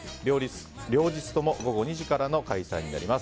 両日とも午後２時からの開催になります。